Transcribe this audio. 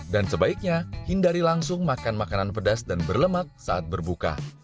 dan sebaiknya hindari langsung makan makanan pedas dan berlemak saat berbuka